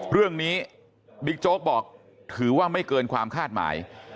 เรื่องนี้บิ๊กโจ๊กบอกถือว่าไม่เกินความคาดหมาย